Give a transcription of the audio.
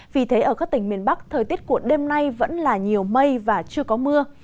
vì thế ở các tỉnh miền bắc thời tiết của đêm nay vẫn là nhiều mây và chưa có mưa